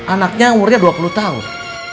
anaknya umurnya dua puluh tahun